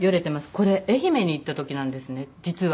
これ愛媛に行った時なんですね実は。